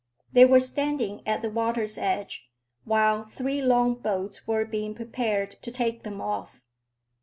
They were standing at the water's edge, while three long boats were being prepared to take them off.